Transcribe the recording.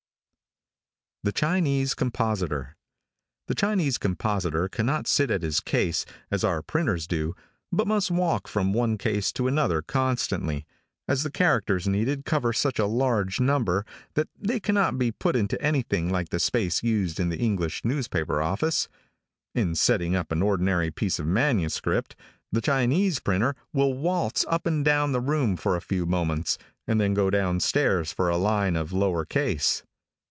THE CHINESE COMPOSITOR |THE Chinese compositor cannot sit at his case as our printers do, but must walk from one case to another constantly, as the characters needed cover such a large number, that they cannot be put into anything like the space used in the English newspaper office. In setting up an ordinary piece of manuscript, the Chinese printer will waltz up and down the room for a few moments, and then go down stairs for a line of lower case.